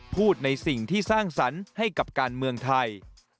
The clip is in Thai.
พูดในสิ่งที่สร้างสรรค์ให้กับการเมืองไทย